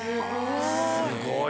すごい。